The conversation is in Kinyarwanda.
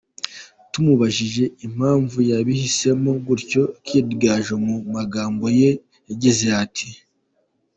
Tumubajije impamvu yabihisemo gutyo, Kid Gaju mu magambo ye yagize ati:.